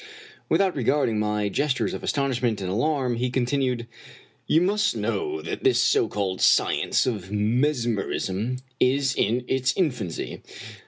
Without regarding my gestures of astonishment and alarm, he continued: " You must know that this so called science of mes merism is in its infancy.